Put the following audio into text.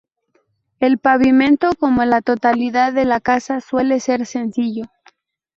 El pavimento, como la totalidad de la casa, suele ser sencillo.